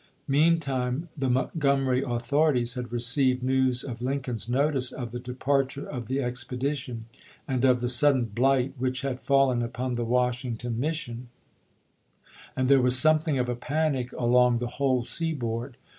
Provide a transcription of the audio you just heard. Meantime the Montgomery authorities had received news of Lincoln's notice of the departure of the expedition, and of the sud den blight which had fallen upon the Washington mission ; and there was something of a panic along the whole seaboard.